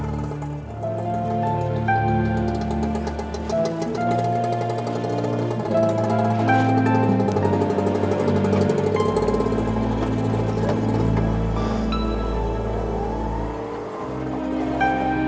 ssss dilarang gosip alias kegibah